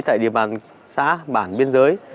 tại địa bàn xã bản biên giới